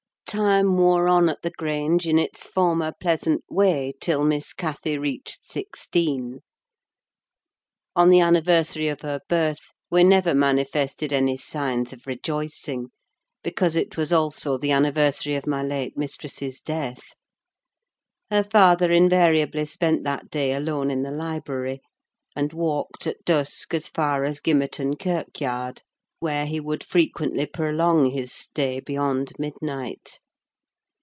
Time wore on at the Grange in its former pleasant way till Miss Cathy reached sixteen. On the anniversary of her birth we never manifested any signs of rejoicing, because it was also the anniversary of my late mistress's death. Her father invariably spent that day alone in the library; and walked, at dusk, as far as Gimmerton kirkyard, where he would frequently prolong his stay beyond midnight.